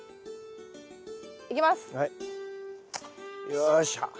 よいしょ。